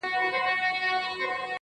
چي دي خوله صنمه ډکه له خندا وي